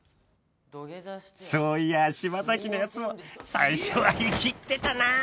［そういや島崎のやつも最初はイキってたなぁ］